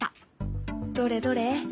どれどれ？